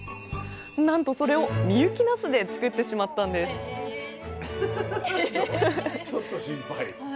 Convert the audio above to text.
なんとそれを深雪なすで作ってしまったんですちょっと心配。